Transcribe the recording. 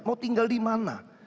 mau tinggal di mana